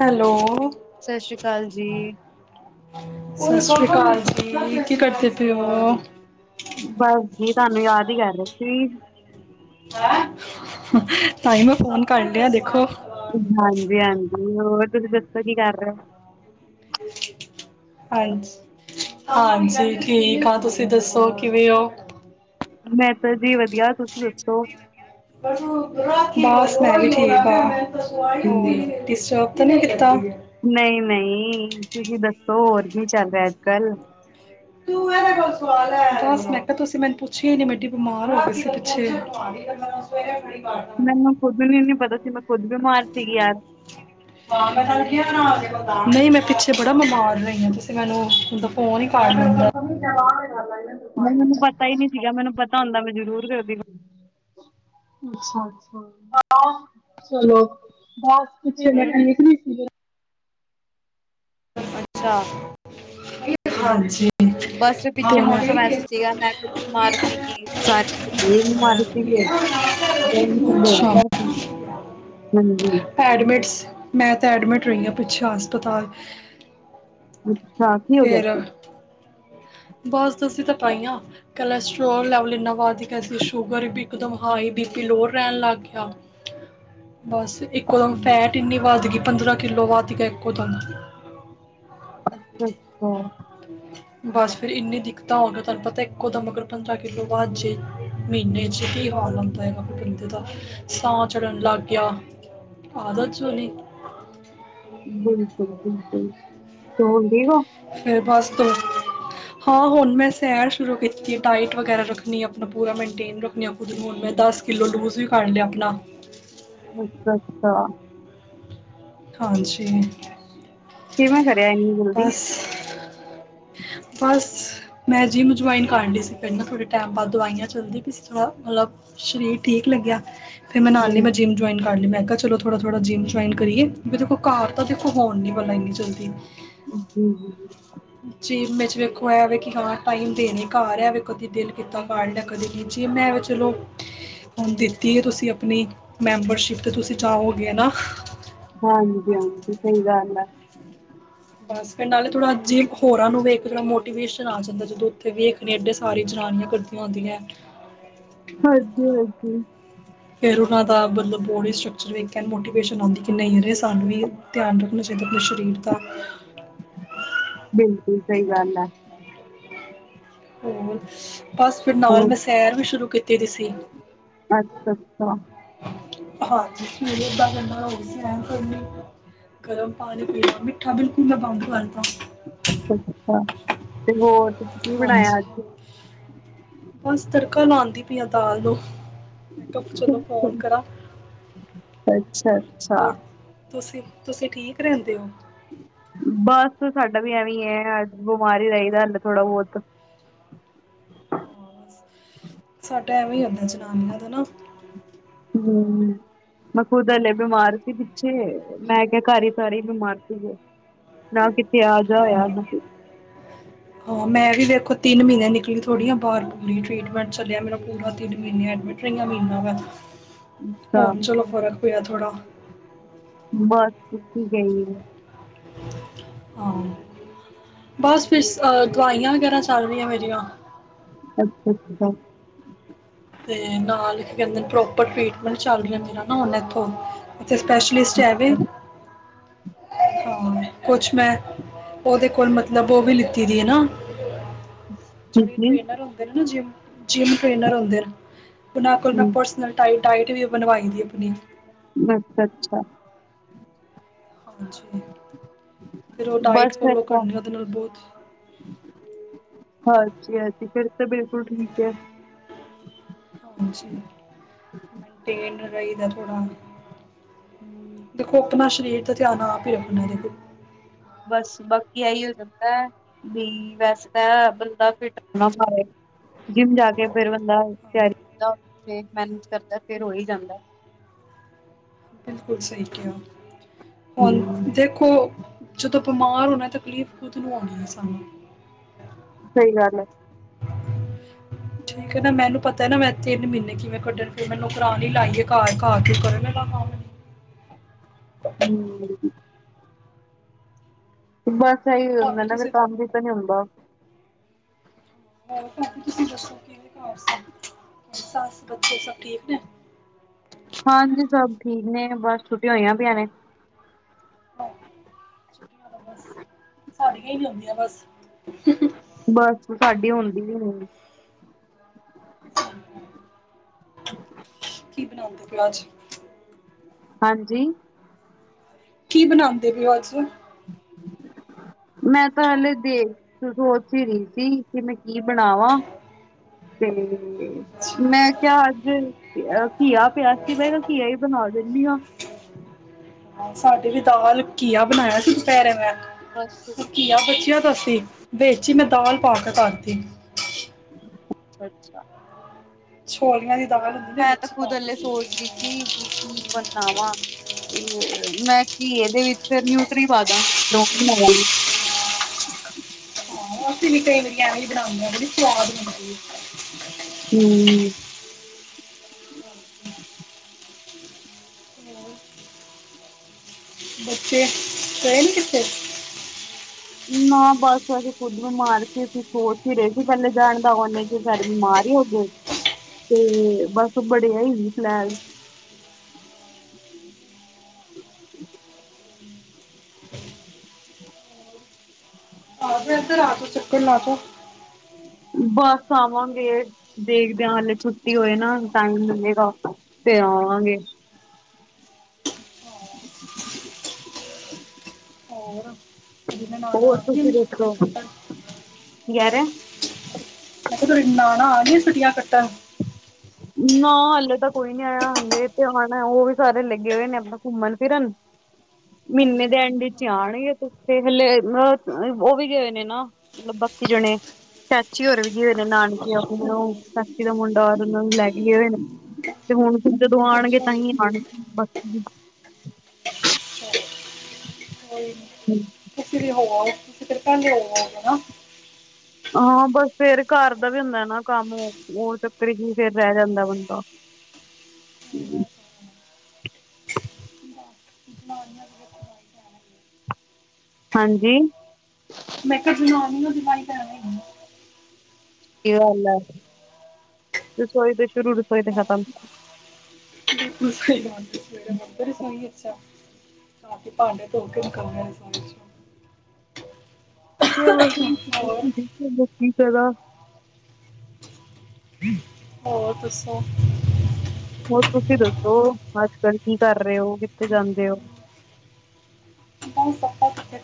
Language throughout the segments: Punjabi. ਹੈਲੋ ਸਤਿ ਸ੍ਰੀ ਅਕਾਲ ਜੀ। ਸਤਿ ਸ੍ਰੀ ਅਕਾਲ ਜੀ ਕੀ ਕਰਦੇ ਪਏ ਓ ਬਸ ਜੀ ਤੁਹਾਨੂੰ ਯਾਦ ਹੀ ਕਰ ਰਹੇ ਸੀ। ਤਾਹੀ, ਮੈਂ ਫੋਨ ਕਰ ਲਿਆ ਦੇਖੋ। ਹਾਂਜੀ, ਹਾਂਜੀ ਹੋਰ ਤੁਸੀਂ ਦੱਸ ਕੀ ਕਰ ਰਹੇ? ਹਾਂਜੀ, ਹਾਂਜੀ ਠੀਕ ਆ ਤੁਸੀਂ ਦੱਸੋ ਕਿਵੇਂ ਹੋ? ਮੈਂ ਤਾਂ ਜੀ ਵਧੀਆ। ਤੁਸੀਂ ਦੱਸੋ? ਬਸ ਮੈਂ ਵੀ ਠੀਕ ਹਾਂ। ਹੂੰ ਡਿਸਟਰਬਨ [unintelligible] [unintelligible] ਨਹੀਂ, ਨਹੀਂ ਤੁਸੀਂ ਦੱਸੋ? ਹੋਰ ਕੀ ਚੱਲ ਰਿਹਾ, ਅੱਜ ਕੱਲ? ਤੂੰ ਇਦੇ ਕੋਲ ਸਵਾ ਲੈ, ਬਸ ਮੈਂ ਕਿਹਾ ਤੁਸੀਂ ਮੈਨੂੰ ਪੁੱਛਿਆ ਨੀ, ਮੈਂ ਇਡੀ ਬਿਮਾਰ ਹੋ ਗਈ ਸੀ ਪਿੱਛੇ ਮੈਨੂੰ ਖੁੱਦ ਨੂੰ ਨੀ ਪਤਾ ਸੀ ਮੈਂ ਖੁਦ ਬਿਮਾਰ ਸੀਗੀ ਯਾਰ ਹਾਂ ਮੈਂ ਤਾਨੂੰ ਕਿਹਾ ਏ ਨਾ ਭਾਰ ਨਹੀਂ ਮੈਂ ਪਿੱਛੇ ਬੜਾ ਬਿਮਾਰ ਰਹੀ ਆ। ਤੁਸੀਂ ਮੈਨੂੰ ਉਦਾ ਫੋਨ ਹੀ ਕਰ ਲੈਂਦਾ। ਨਹੀਂ ਮੈਨੂੰ ਪਤਾ ਹੀ ਨਹੀਂ ਸੀਗਾ। ਮੈਨੂੰ ਪਤਾ ਹੁੰਦਾ ਮੈਂ ਜਰੂਰ ਕਰਦੀ ਅੱਛਾ ਅੱਛਾ ਚਲੋ ਬਸ ਪੱਛੇ ਮੈਂ ਹੂੰ ਨਖਲੀ ਸੀਗੇ ਅੱਛਾ ਹਾਂਜੀ ਬਸ ਪਿੱਛੇ ਤੇ ਮੈਂ ਮੌਸਮ ਐਸਾ ਸੀਗਾ ਮੈਂ ਖੁਦ ਬਿਮਾਰ ਸੀਗੀ ਸਾਰੇ ਬਿਮਾਰ ਸੀਗੇ ਅੱਛਾ ਹਾਂਜੀ ਅੱਛਾ ਹਸਪਤਾਲ [inaudible] ਹਾਂ ਕੀ ਹੋ ਗਿਆ ਫਿਰ ਸੀ ਬਸ ਅਸੀਂ ਤਾਂ ਪਾਈਆਂਾਂ ਕੋਲੈਸਟਰ੍ਰੋਲ ਲੈਵਲ ਇੰਨਾ ਵੱਧ ਗਿਆ ਗਿਆ ਸੀ ਸ਼ੂਗਰ ਇੱਕ ਦਮ ਹਾਈ ਬੀਪੀ ਲੋਅਰ ਰਹਿਣ ਲੱਗ ਗਿਆ ਬਸ ਇੱਕੋ ਦਮ ਫੈਟ ਇੰਨੀ ਵੱਧ ਗਈ ਪੰਦਰਾਂ ਕਿੱਲੋ ਵੱਧ ਦਾ ਇੱਕੋ ਦਮ ਅੱਛਾ ਅੱਛਾ ਬਸ ਫਿਰ ਇੰਨੀ ਦਿੱਕਤਾਂ ਹੋਗੀਆਂ ਤੁਹਾਨੂੰ ਪਤਾ ਇੱਕੋ ਦਾ ਮਗਰ ਪੰਦਰਾਂ ਕਿੱਲੋ ਬਾਅਦ ਜੇ ਮਹੀਨੇ ਅ ਕੀ ਹਾਲ ਹੁੰਦਾ ਹੈਗਾ ਬੰਦੇ ਦਾ ਸਾਹ ਚੜ੍ਹਨ ਲੱਗ ਗਿਆ ਆਦਤ ਸੁਣੀ ਬਿਲਕੁਲ ਬਿਲਕੁਲ ਹੁਣ ਠੀਕ ਆ ਫਿਰ ਬਸ ਦੋ ਹਾਂ ਹੁਣ ਮੈਂ ਸੈਰ ਸ਼ੁਰੂ ਕੀਤੀ ਡਾਇਟ ਵਗੈਰਾ ਰੱਖਣੀ ਆਪਣਾ ਪੂਰਾ ਮੇਨਟੇਨ ਰੱਖਣੀ ਖੁਦ ਨੂੰੁਣ ਮੈਂ ਦਸ ਕਿੱਲੋ ਲੂਜ ਵੀ ਕਰੱ ਲਿਆ ਆਪਣਾ ਅੱਛਾ ਅੱਛਾ ਹਾਂਜੀ ਕਿਵੇਂ ਕਰਿਆ ਇੰਨੀ ਜਲਦੀ ਬਸ ਬਸ ਮੈਂ ਜਿਮ ਜਆਇਨ ਕਰ ਲਈ ਸੀ ਪਹਿ ਥੋੜੇ ਟਾਈਮ ਬਾਅਦ ਦਵਾਈਆਂ ਚੱਲਦੀ ਪ ਥੋੜਾ ਮਤਲਬ ਸਰੀਰ ਠੀਕ ਲੱਗਿਆ ਫਿਰ ਮੈਂ ਨਾਲ ਲੈ ਹੂੰ ਮੈਂ ਜਿਮ ਜੁਆਇਨ ਕਰ ਲਈ ਮੈਂ ਕਿਹਾ ਚਲੋ ਥੋੜਾ ਥੋੜਾ ਜਿੰਮ ਜੁਆਇਨ ਕਰੀਏ ਵੀ ਦੇਖੋ ਘਰ ਤਾਂ ਦੇਖੋ ਹੋਣ ਨੀ ਪ ਇੰਨੀ ਚਲਦੀ [inaudible] ਜੀ ਮੈਂ ਵੇਖੋ ਹੈ ਵ ਕਿ ਹਾਂ ਟਾਈਮ ਦੇਣੇ ਘਰ ਐਵੇ ਕਦੇ ਦਿਲ ਕੀਤਾ ਗਡ ਲਿਆ ਕਦੇ ਨਹੀਂ ਜੀ ਮੈਂ ਚਲੋ ਹੁਣ ਦਿੱਤੀ ਹੈ ਤੁਸੀਂ ਆਪਣੀ ਮੈਂਬਰਸ਼ਿਪ 'ਤੇ ਤੁਸੀਂ ਜਾਓਗੇ ਨਾ ਹਾਂਜੀ ਹਾਂਜੀ ਸਹੀ ਗੱਲ ਆ [unintelligible] ਨਾਲੇ ਥੋੜਾ ਜਿਹੇ ਹੋਰਾਂ ਨੂੰ ਵੇਖ ਕੇ ਥੋੜਾ ਮੋਟੀਵੇਸ਼ਨ ਆ ਜਾਂਦਾ ਜਦੋਂ ਉੱਥੇ ਵੇਖਣੀ ਐਡੇ ਸਾਰੀ ਜਨਾਨੀਆਂ ਕਰਦੀਆਂ ਹੁੰਦੀਆਂ ਹਾਂਜੀ ਹਾਂਜੀ ਫਿਰ ਉਹਨਾਂ ਦਾ ਮਤਲਬ ਬੋਡੀ ਸਟਕਚਰ ਵੀ ਇੱਕ ਮੋਟੀਵੇੇਸ਼ਨ ਆਉਂਦੀ ਕਿ ਨਹੀਂ ਯਾਰ ਸਾਨੂੰ ਵੀ ਧਿਆਨ ਰੱਖਣਾ ਚਾਹੀਦਾ ਆਪਣੇ ਸਰੀਰ ਦਾ ਬਿਲਕੁਲ ਸਹੀ ਗੱਲ ਆ ਹੋਰ ਬਸ ਫਿਰ ਨਾਲ ਹੋਰ ਮੈਂ ਸੈਰ ਵੀ ਸ਼ੁਰੂ ਕੀਤੀ ਤੇ ਤੁਸੀਂ ਅੱਛਾ ਅੱਛਾ ਹਾਂ ਸਵੇਰੇ ਅੱਧਾ ਘੰਟਾ ਰੋਜ ਸੈਰ ਕਰਨੀ ਗਰਮ ਪਾਣੀ ਪੀਣਾ ਮਿੱਠਾ ਬਿਲਕੁਲ ਮੈਂ ਬੰਦ ਕਰ ਅੱਛਾ, ਤੇ ਹੋਰ? ਤੁਸੀਂ ਕੀ ਹਾਂਜੀ, ਬਣਾਇਆ ਅੱਜ ਬਸ ਤੜਕਾ ਲਾਉਣ ਦੀ ਪਈ ਦਾਲ ਨੂੰ। ਮੈਂ ਕਿਹਾ ਚਲੋ ਫੋਨ ਕਰਾਂ ਅੱਛਾ, ਅੱਛਾ। ਹੋਰ ਤੁਸੀਂ, ਤੁਸੀਂ ਠੀਕ ਰਹਿੰਦੇ ਹੋ? ਬਸ, ਸਾਡਾ ਵੀ ਐਵੇਂ ਹੈ। ਅਜ ਬਿਮਾਰੀ ਰਹੀ ਦਾ ਹਲੇ ਥੋੜਾ ਬਹੁਤ ਹਾਂ, ਬਸ ਸਾਡਾ ਐਵੇਂ ਹੀ ਹੁੰਦਾ, ਜਨਾਨੀਆਂ ਹਨਾ। ਹਮ, ਮੈਂ ਖੁਦ ਹਲੇ ਬਿਮਾਰ ਸੀ। ਪਿੱਛੇ ਮੈਂ ਕਿਹਾ, ਘਰ ਹੀ ਸਾਰੇ ਬਿਮਾਰ ਸੀਗੇ। ਨਾ, ਕਿਥੇ ਆ-ਜਾ ਹੋਇਆ ਹਾਂ ਨਾ ਹਾਂ ਮੈਂ ਵੀ ਵੇਖੋ, ਤਿੰਨ ਮਹੀਨੇ ਨਿਕਲੀ ਥੋੜ੍ਹੀ ਆਂ ਆ ਬਾਹਰ ਪੂਰੀ ਟ੍ਰਰੀਟਮੈਂਟ ਚੱਲਿਆ। ਮੇਰਾ ਪੂਰਾ ਤਿੰਨ ਮਹੀਨੇ ਐਡਮਿਟ ਰਹੀਆਂ ਮਹੀਨਾ ਭਰ ਤਾਂ ਹੁਣ ਚਲੋ ਫਰਕ ਹੋਇਆ ਥੋੜ੍ਹਾ। [unintelligible] ਹਾਂ, ਬਸ ਫਿਰ ਦਵਾਈਆਂ ਵਗੈਰਾ ਚੱਲ ਰਹੀਆਂ ਮੇਰੀਆਂ। ਅੱਛਾ, ਅੱਛਾ। ਤੇ ਨਾਲ ਕੀ ਕਹਿੰਦੇ ਨੇ ਪ੍ਰੋਪਰ ਟ੍ਰੀਟਮੈਂਟ ਚੱਲ ਰਿਹਾ ਵੇ ਨਾ ਨੇ ਇਥੋਂ ਤੇ ਸਪੈਸ਼ਲਿਸਟ ਹੈ ਵੇ। ਕੁਛ ਮੈਂ ਉਹਦੇ ਕੋਲ ਮਤਲਬ ਉਹ ਵੀ ਲਿੱਤੀ ਦੀ ਹੈ ਨਾ ਜਿਹੜੀ ਟ੍ਰਰੇਨਰ ਹੁੰਦੇ ਨੇ ਨਾ ਜਿਮ ਜਿਮ ਟ੍ਰੇਨਰ ਹੁੰਦੇ ਨੇ। ਉਹਨਾ ਕੋਲੋ ਮੈਂ ਪਰਸਨਲ ਡਾਇਟ ਵੀ ਬਣਵਾਈ। ਦੀ ਆਪਣੀ। ਅੱਛਾ, ਅੱਛਾ। ਫਿਰ ਉਹ ਡਾਇਟ ਫੋਲੋ ਕਰਨੀ ਆ, ਉਹਦੇ ਨਾਲ ਬਹੁਤ- ਹਾਂਜੀ, ਹਾਂਜੀ ਫਿਰ ਤਾਂ ਬਿਲਕੁਲ ਠੀਕ ਹੈ। ਹਾਂਜੀ ਮੇਨਟੇਨ ਰਹੀਦਾ ਥੋੜ੍ਹਾ ਦੇਖੋ ਆਪਣਾ ਸਰੀਰ ਧਿਆਨ ਆਪ ਹੀ ਰੱਖਣਾ, ਦੇਖੋ। ਬਸ, ਬਾਕੀ ਏਹੀ ਹੋ ਜਾਂਦਾ ਹੈ। ਹਾਂ ਬਿਲਕੁਲ ਸਹੀ ਕਿਹਾ, ਹੁਣ ਹਮ, ਦੇਖੋ। ਜਦੋਂ ਬਿਮਾਰ ਹੋਣਾ, ਤਕਲੀਫ਼ ਖੁਦ ਨੂੰ ਹੋਣੀ ਹੈ ਸਾਨੂ। ਸਹੀ ਗੱਲ ਹੈ। ਠੀਕ ਹੈ ਨਾ? ਮੈਨੂੰ ਪਤਾ ਨਾ, ਮੈਂ ਤਿੰਨ ਮਹੀਨੇ ਕਿਵੇਂ ਕੱਢਣ ਫਿਰ ਨੌਕਰਾਣੀ ਲਾਈਏ, ਘਰ-ਘਰ ਕੋਈ ਕਰਨ ਵਾਲਾ ਕੰਮ ਹਮ। ਬਸ। ਸਹੀ ਹੋਰ ਹੁੰਦਾ ਭਾਬੀ ਨਾ, ਫਿਰ ਤੁਸੀਂ ਕੰਮ ਵੀ ਤਾਂ ਨੀ ਹੁੰਦਾ। ਹੋਰ ਭਾਬੀ ਤੁਸੀਂ ਦੱਸੋ ਸੱਸ, ਬੱਚੇ, ਸਭ ਠੀਕ ਨੇ। ਹਾਂਜੀ, ਸਭ ਠੀਕ ਨੇ, ਬਸ ਛੁੱਟੀਆਂ ਛੁਟੀਆਂ ਬਸ ਸਾਡੀਆਂ ਹੀ ਨੀ ਹੁੰਦੀਆਂ, ਬਸ। ਬਸ ਸਾਡੀ ਹੁੰਦੀ ਹੀ ਨੀ ਹ ਕੀ ਬਣਾਉਂਗੇ ਫੇਰ ਅੱਜ? ਹਾਂਜੀ ਕੀ ਬਣਾਉਂਦੇ ਪਾਏ ਉਹ ਅੱਜ? ਮੈਂ ਤਾਂ ਹਾਲੇ ਦੇ ਸੋਚ ਹੀ ਰਹੀ ਸੀ, ਕਿ ਮੈਂ ਕੀ ਬਣਾਵਾਂ ਤੇ ਤੇ, ਅੱਛਾ, ਮੈਂ ਕਿਹਾ ਅੱਜ ਅਹ ਘੀਆ ਪਿਆ ਸੀ, ਮੈਂ ਖਾਂ ਘੀਆ ਹੀ ਬਣਾ। ਦਿਨੀ ਆ। ਹ ਸਾਡੇ ਵੀ ਦਾਲ ਘੀਆ ਬਣਾਇਆ ਸੀ, ਦੁਪਹਿਰੇ ਮੈਂ ਬਸ ਅੱਛਾ ਘੀਆ ਬਚਿਆਂ ਤਾਂ ਸੀ, ਵਿੱਚ ਚ ਮੈਂ ਦਾਲ ਪਾ ਕੇ ਕਰਤੀ ਅੱਛਾ ਛੋਲੀਆਂ ਦੀ ਦਾਲ ਹੁੰਦੀ ਨਾ ਮੈਂ ਤੇ ਵਿੱਚ ਖੁਦ ਪਾ ਕੇ ਹਲੇ ਸੀ ਸੋਚ ਰਹੀ ਸੀ, ਵੀ ਕੀ ਬਨਾ ਵਾਂ ਤੇ ਮੈਂ ਘੀਆ ਦੇ ਵਿੱਚ ਨਿਊਟਰੀ ਪਾ ਦਾਗੀ ਵਾਂਗੀ ਹਾ, ਅਸੀਂ ਵੀ ਕਈ ਵਾਰੀ ਐਵੇਂ ਹੀ ਬਣਾਉਂਨੇ ਆ, ਬੜੀ ਸਵਾਦ ਬਣਦੀ ਐ। ਹੂੰ ਬੱਚੇ ਗਏ ਨੇ ਕਿਥੇ? ਨਾ ਬਸ ਅਸੀਂ ਖੁਦ ਬਿਮਾਰ ਸੀ। ਅਸੀਂ ਸੋਚ ਹੀ ਰਹੇ ਸੀ ਪਹਿਲੇ ਜਾਣਦਾ, ਉਹਨੇ ਚ ਫੈਰ ਬਿਮਾਰ ਹੀ ਹੋ ਗਏ, ਤੇ ਬਸ ਬਣੇ ਆ ਹੀ ਨੀ ਪਲੈਨ। ਫੇਰ ਇਧਰ ਆਜੋ, ਚੱਕਰ ਲਾਜੋ‌। ਬਸ ਆਵਾਂਗੇ ਦੇਖਦਿਆਂ, ਹਲੇ ਛੁੱਟੀ ਹੋਏ ਨਾ ਟਾਈਮ ਮਿਲੇਗਾ ਤੇ ਆਵਾਂਗੇ। ਹੋਰ ਕਦੀ ਮੈਂ ਨਾਨਾ ਹੋਰ ਆ ਗਈ ਤੁਸੀ, ਮੈਂ ਛੁੱਟੀਆਂ ਕੱਟਣ ਯਾਰ ਮੈਂ ਕਿਹਾ ਤੁਹਾਡੀਆਂ ਨਾਣਾ ਆ ਗਈਆਂ ਛੁੱਟੀਆਂ ਕੱਟਣ? ਨਾ ਹਲੇ ਤਾਂ ਕੋਈ ਨੀ ਆਇਆ। ਹਲੇ ਤੇ ਆਣਾ ਉਹ ਵੀ ਸਾਰੇ ਲੱਗੇ ਹੋਏ ਨੇ ਆਪਣਾ ਘੁੰਮਣ ਫਿਰਨ, ਮਹੀਨੇ ਅੱਛਾ ਦੇ ਐਂਡ ਵਿਚ ਅੱਛਾ ਆਣਗੇ, ਤੇ ਹਲੇ ਆ ਉਹ ਵੀ ਗਏ ਹੋਏ ਨੇ ਨਾ ਮਤਲਬ ਬਾਕੀ ਜਣੇ। ਚਾਚੀ ਹੋਰ ਵੀ ਗਏ ਹੋਏ ਨੇ ਨਾਨਕੇ ਆਪਣੇ ਉਹ ਚਾਚੀ ਦਾ ਮੁੰਡਾ ਔਰ ਉਹਨਾਂ ਨੂੰ ਲੈ ਕੇ ਗਏ ਹੋਏ ਨੇ, ਤੇ ਹੁਣ ਫਿਰ ਜਦੋਂ ਆਉਣਗੇ, ਅੱਛਾ ਤਾਂਹੀ ਅੱਛਾ ਆਉਣਗੇ ਬਾਕੀ ਬੀ। ਚਲੋ ਕੋਈ ਨੀ ਹੂੰ ਤੁਸੀਂ ਵੀ ਹੋ ਆਓ, ਤੁਸੀਂ ਫਰੇ ਪਹੈਲੇ ਹੋ ਆੳ ਨਾ। ਹਾਂ ਬਸ ਫੇਰ ਘਰ ਦਾ ਵੀ ਹੁੰਦਾ ਨਾ ਕੰਮ, ਉਹ ਚੱਕਰ ਚ ਫਰ ਰਹਿ ਜਾਂਦਾ ਬੰਦਾ। ਜਨਾਨੀਆਂ ਦੀ ਦੇਖੋ ਲਾਈ ਤਾਂ ਐਵੇਂ ਹੀ ਹੈ। ਹਾਂਜੀ ਮੈਂ ਕਿਹਾ ਜਨਾਨੀ ਦੀ ਲਾਈਫ ਐਵੇਂ ਹੀ ਆ ਸਹੀ ਗੱਲ ਆ, ਰਸੋਈ ਤੇ ਸ਼ੁਰੂ ਰਸੋਈ ਤੇ ਆ। ਹਾਂ ਖਤਮ। ਸਹੀ ਬਾਤ, ਸਵੇਰੇ ਮੰਦਰ ਚ ਹੋਈਏ ਰਾਤੀ ਭਾਂਡੇ ਧੋ ਕੇ ਨਿਕਲਨੇ ਆ ਰਸੋਈ ਚੋਂ। [unintelligible] ਹੋਰ ਚਲੋ ਕੀ ਕਰਾ [unintelligible] ਹੋਰ ਦੱਸੋਂ। ਹੋਰ ਤੁਸੀਂ ਦੱਸੋਂ ਅੱਜ਼ ਕੱਲ੍ਹ ਕੀ ਕਰ ਰਹੇਂ ਹੋ ਕਿੱਥੇ ਜਾਂਦੇਂ ਹੋ। ਹੁਣ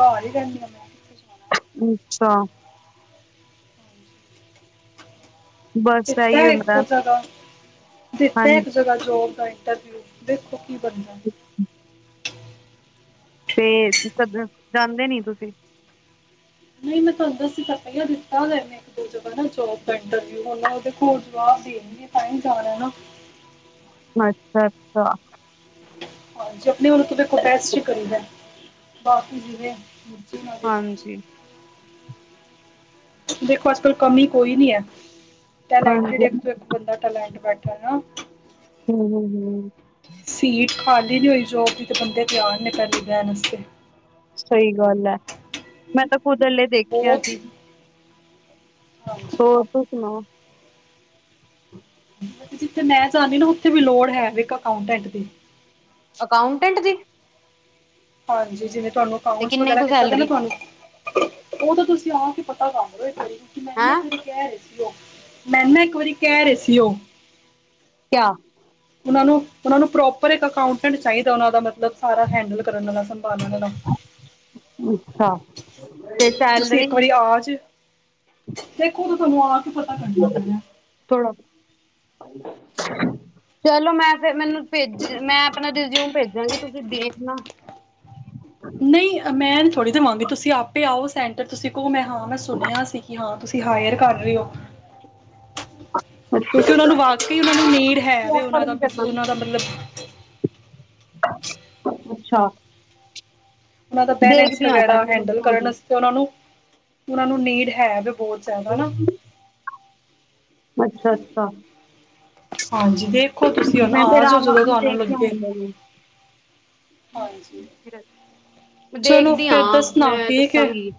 ਘਰ ਹੀ ਰਹਿੰਦੀ ਮੈਂ। ਜਾਣਾ ਅੱਛਾ। ਬਸ ਦਿੱਤਾ ਇਹੀ ਹੁੰਦਾ ਇੱਕੋਂ ਜਗ੍ਹਾ ਦਿੱਤਾ ਇੱਕ ਹਾਂਜੀ ਜਗ੍ਹਾ ਜੋੋਬ ਆਈਂ। ਤਬੀਅਤ ਦੇਖੋ। ਕੀ ਬਣਦਾ। ਤੇ ਜਿਸ ਦਿਨ ਜਾਂਦੇ ਨੀਂ ਤੁਸੀਂ। ਨਹੀਂ ਮੈਂ ਤੁਹਾਨੂੰ ਦੱਸ ਦੀ ਤਾਂ ਪਈ ਆ ਦਿੱਤਾ ਨੇਂ ਇੱਕ ਦੋ ਜਗ੍ਹਾ ਨਾਂ ਜੋਬ ਦਾ ਇੰਟਰਵਿਊ ਉਹ ਦੇਖੋਂ ਹੁਣ ਜਵਾਬ ਦੇਣਗੇ ਤਾਂ ਈ ਜਾਣਾਂ ਏਂ ਨਾ। ਅੱਛਾ ਅੱਛਾ। ਹਾਂਜੀ। ਆਪਣੇ ਵਲੋਂ ਤੇ ਪੂਰਾ। ੈਸੀ ਕਰੀਦਾ ਬਾਕੀ ਜਿਵੇਂ। ਚਲਾਂਦੇ ਗਾ ਹਾਂਜੀ ਦੇਖੋਂ ਅੱਜ਼ ਕੱਲ੍ਹ ਕਮੀਂ ਕੋਈ ਨੀਂ ਐ। ਟਲੈਟੰਡ ਹਾਂਜੀ ਇਕ ਹਮ, ਤੋਂ ਇਕ ਟਲੈਟ ਬੈਠਾਂ। ਉਹ ਨਾਂ ਹੂੰ ਹੂੰ ਹੂੰ। ਸੀਟ ਖ਼ਾਲੀ ਨੀਂ ਹੋਈ ਜੋਬ ਦੀ ਤੇ ਬੰਦੇ ਤਿਆਰ ਨੇਂ ਪਹਿਲੇ ਬਹੈਨ ਅਸਤੇ। ਸਹੀ ਗੱਲ਼ ਐ। ਮੈਂ ਤਾਂ ਖੁਦ ਹਲੇ ਦੇਖਿਆਂ ਬਹੁਤ ਸੀ। ਹਾਂਜੀ [unintelligible] [inaudible] ਜਿੱਥੇ ਮੈਂ ਜਾਂਦੀ ਨਾਂ ਉੱਥੇ ਵੀ ਲੋੜ ਹੈਂ ਇੱਕ ਅਕਾਉਂਟੈਂਟ ਦੀ। ਅਕਾਂਉਟੈੰਟ ਦੀ। ਹਾਂਜੀ ਜਿਵੇਂ। ਤੁਹਾਂਨੂੰ ਤੇ ਅਕਾਊਂਟਸ ਕਿੰਨੇ ਵਗ਼ੈਰਾ ਕੁ ਦਿੱਤਾ ਦਾ ਨਾਂ ਸੈਲਰੀ ਤੁਹਾਂਨੂੰ ਉਹ ਤਾਂ ਤੁਸੀਂ। ਆਪ ਹੀ ਪਤਾ ਕਰਲੋ ਇਕ ਵਾਰੀ। ਮੈਂ ਤੇ ਹੈਂ ਇੱਕ ਵਾਰੀਂ ਕਹਿ ਰਹੀਂ ਸੀ। [inaudible] ਮੈਂ ਨਾਂ ਇੱਕ ਵਾਰੀਂ ਕਹਿ ਰਹੇਂ ਸੀ। ਉਹ। ਕਿਆ ਉਹਨਾਂ ਨੂੰ ਉਹ ਨੂੰ ਪ੍ਰੋਪਰ ਇੱਕ ਅਕਾਉਂਟੈਂਟ ਚਾਹੀਂਦਾ। ਉਹਨਾਂ ਦਾ ਮੱਤਲਬ ਸਾਰਾ ਹੈਂਡਲ ਕਰਨ ਵਾਲਾਂ ਸੰਭਾਲਣ ਵਾਲਾਂ। ਹਾਂ ਤੇ ਤੁਸੀਂ ਸੈਲਰੀ ਇੱਕ ਵਾਰੀਂ ਆ ਜੇ। ਦੇਖੋਂ ਉਹ ਤਾਂ ਤੁਹਾਂਨੂੰ ਆਪ ਹੀ ਪਤਾ ਕਰਨਾ ਪੈਣਾ। ਥੋੜਾ ਚਲੋ ਮੈਂ ਫਿਰ ਮੈਂਨੂੰ ਭੇਜ ਮੈਂ ਆਪਣਾਂ ਰਿਜ਼ਊਮ ਭੇਜਾਂਗੀ ਤੁਸੀਂ ਦੇਖਣਾਂ ਨਹੀਂ ਆ ਮੈਂ। ਥੋੜ੍ਹੀ ਦਵਾਂਗੀ ਤੁਸੀਂ ਆਪੇ ਆਓ ਸੈਂਟਰ ਤੁਸੀਂ ਕਹੋ ਮੈਂ ਹਾਂ ਮੈਂ ਸੁਣਿਆਂ ਸੀ। ਕਿ ਹਾਂ ਤੁਸੀਂ ਹਾਇਰ ਕਰ ਰਹੇਂ ਹੋ। ਕਿਉਂਕਿ ਔਨਾਂ ਨੂੰ ਵਾਕਈ ਔਨਾਂ ਨੂੰ ਨੀਡ ਹੈਵੇ ਔਨਾਂ ਦਾ ਵੀ ਬਿਜ਼ ਕਰਨਾ ਔਨਾਂ ਨਾ। ਦਾ ਮਤਲਬ ਅੱਛਾ। ਔਨਾ ਦਾ ਬੈਲੈਂਸ ਦੇਖਦੀ ਆ ਜਾ ਵਗੈਰਾ ਕੇ ਹੈਂਡਲ ਕਰਨ ਦੱਸਾਂਗੀ ਵਾਸਤੇ ਔਨਾਂ ਨੂੰ ਔਨਾਂ ਨੂੰ ਨੀਡ ਹੈ ਵੇ। [unintelligible] ਅੱਛਾ ਅੱਛਾ। ਹਾਂਜੀ, ਦੇਖੋ ਤੁਸੀਂ ਹੁਨ ਮੈਂ ਆ ਫਿਰ ਜਾਓ ਆਵਾਂ ਜਦੋਂ ਮੈਂ ਤੁਹਾਨੂੰ ਦੇਖਦੀ ਆ ਲੱਗੇ। ਹਲੇ ਹਾਂਜੀ। ਚਲੋ ਦੇਖਦੀ ਫਿਰ ਹਾਂ, ਦੱਸਣਾ ਮੈਂ ਠੀਕ ਹੈ ਦੱਸਾਂਗੀ।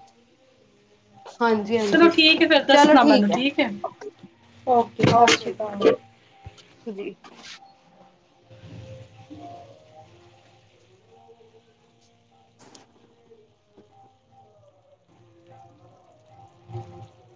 ਹਾਂਜੀ ਚਲੋ ਹਾਂਜੀ, ਠੀਕ ਹੈ ਫਿਰ ਚਲੋ ਦੱਸਣਾ ਮੈਨੂੰ ਠੀਕ ਹੈ, ਓਕੇ ਸਤਿ ਸ਼੍ਰੀ ਅਕਾਲ ਜੀ [unintelligible] [unintelligible]